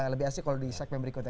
lebih asik kalau di segmen berikutnya